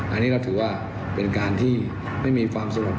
อันนี้เราถือว่าเป็นการที่ไม่มีความสงบ